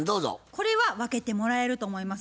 これは分けてもらえると思います。